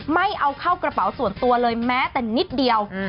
ไม่เอาเข้ากระเป๋าส่วนตัวเลยแม้แต่นิดเดียว